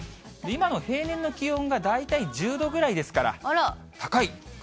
今の平年の気温が大体１０度ぐらいですから、高い。